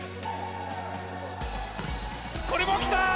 これもきた！